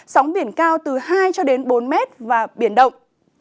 sóng biển cao từ hai cho đến bốn mét và biển động